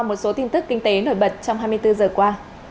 một số tin tức kinh tế nổi bật trong hai mươi bốn giờ qua